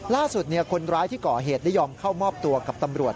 ล่าสุดคนร้ายที่ก่อเหตุได้ยอมเข้ามอบตัวกับตำรวจ